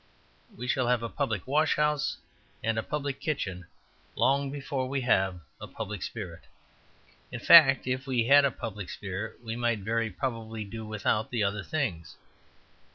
We shall have a public washhouse and a public kitchen long before we have a public spirit; in fact, if we had a public spirit we might very probably do without the other things.